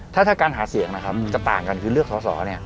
ถ้าการหาเสียงนะครับจะต่างกันคือเลือกสอสอเนี่ย